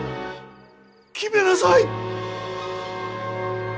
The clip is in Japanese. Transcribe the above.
決めなさい。